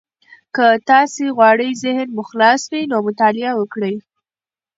که تاسي غواړئ ذهن مو خلاص وي، نو مطالعه وکړئ.